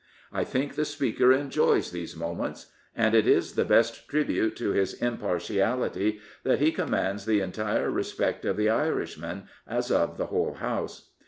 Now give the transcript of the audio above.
I think the Speaker enjoys these moments. And it is the best tribute to his impartiality that he commands the entire respect of the Irishmen, as of the whole House.